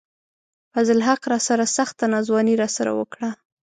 فضل الحق راسره سخته ناځواني راسره وڪړه